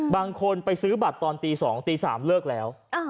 บางคนไปซื้อบัตรตอนตี๒ตี๓เลิกแล้ว